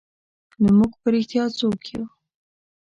نو موږ په رښتیا څوک یو؟